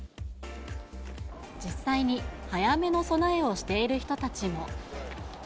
実際に早めの備えをしている人たちも。